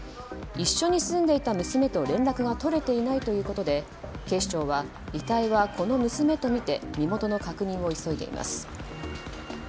一緒に住んでいた娘と連絡が取れていないということで警視庁は遺体はこの娘を見て身元の確認を急いでいます。